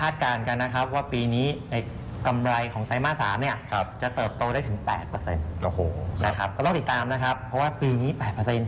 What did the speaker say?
นะครับก็ต้องติดตามนะครับเพราะว่าปีนี้๘เปอร์เซ็นต์